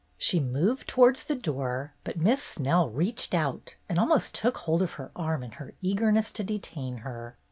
She moved towards the door, but Miss Snell reached out and almost took hold of her arm in her eagerness to detain her.